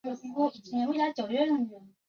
梅内特勒勒皮图瓦人口变化图示